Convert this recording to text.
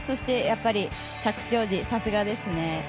着地王子、さすがですね。